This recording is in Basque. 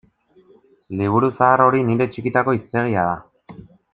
Liburu zahar hori nire txikitako hiztegia da.